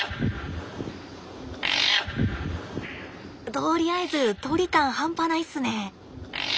とりあえず鳥感半端ないっすね。